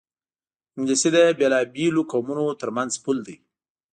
انګلیسي د بېلابېلو قومونو ترمنځ پُل دی